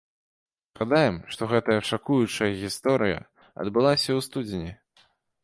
Нагадаем, што гэтая шакуючая гісторыя адбылася ў студзені.